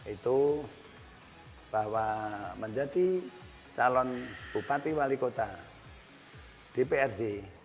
itu bahwa menjadi calon bupati wali kota di prd